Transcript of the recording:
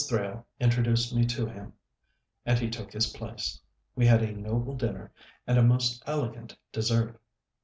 Thrale introduced me to him, and he took his place. We had a noble dinner, and a most elegant dessert.